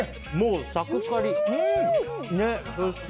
サクカリ。